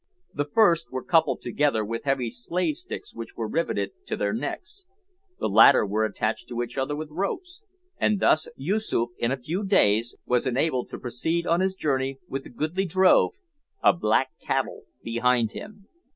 The first were coupled together with heavy slave sticks, which were riveted to their necks; the latter were attached to each other with ropes; and thus Yoosoof, in a few days, was enabled to proceed on his journey with a goodly drove of "black cattle" behind him.